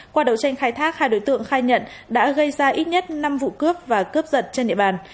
qua đấu tranh khai thác hai đối tượng khai nhận đã gây ra ít nhất năm vụ cướp và cướp giật trên địa bàn